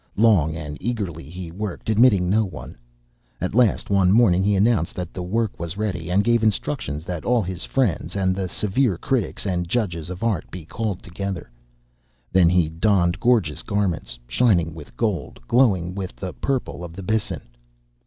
Long and eagerly he worked, admitting no one. At last, one morning, he announced that the work was ready, and gave instructions that all his friends, and the severe critics and judges of art, be called together. Then he donned gorgeous garments, shining with gold, glowing with the purple of the byssin.